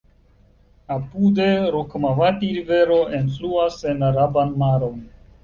Apude, Rukmavati-Rivero enfluas en Araban Maron.